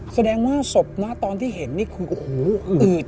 แสดงว่าศพนะตอนที่เห็นนี่คือโอ้โหอืด